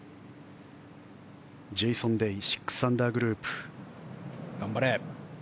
ジェイソン・デイ６アンダーグループ。